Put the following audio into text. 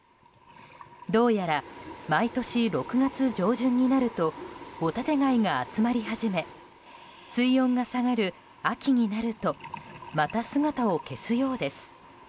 どうやら、毎年６月上旬になるとホタテ貝が集まり始め水温が下がる秋になるとまた姿を消すようです。